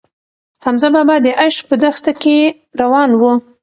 حمزه بابا د عشق په دښته کې روان و.